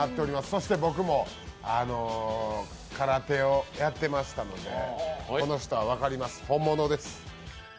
そして僕も空手をやってましたので、この人は分かります、本物です。